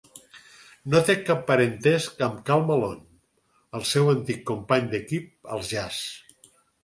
No té cap parentesc amb Karl Malone, el seu antic company d'equip als Jazz.